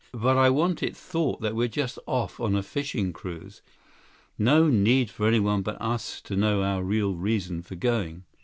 But, I want it thought that we're just off on a fishing cruise. No need for anyone but us to know our real reason for going."